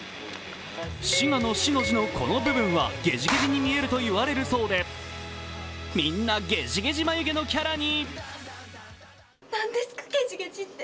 滋賀の「滋」のこの部分はゲジゲジに見えるということでみんなゲジゲジ眉毛のキャラに。